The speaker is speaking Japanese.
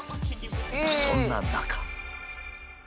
そんな中。